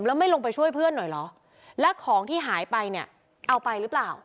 แล้วไม่ลงไปช่วยเพื่อนหน่อยเหรอแล้วของที่หายไปเนี่ยเอาไปหรือเปล่า